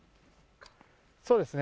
そうですね。